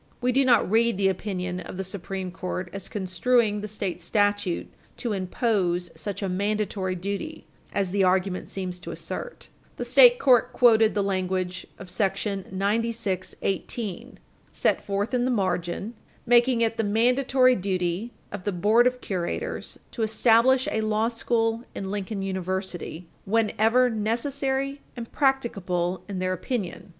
We do not read the opinion of the Supreme Court as construing the state statute to impose such a "mandatory duty" as the argument seems to assert. The state court quoted the language of § 9618, R.S.Mo.1929, set forth in the margin, [Footnote 2] making it the mandatory Page 305 U. S. 347 duty of the board of curators to establish a law school in Lincoln University "whenever necessary and practicable in their opinion."